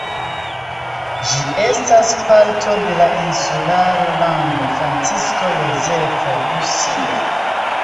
Ĝi estas parto de la insularo Lando Francisko Jozefo, Rusio.